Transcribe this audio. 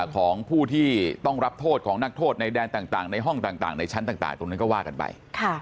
ของผู้ที่ต้องรับโทษของนักโทษในแดนต่างในห้องต่างในชั้นต่างตรงนั้นก็ว่ากันไป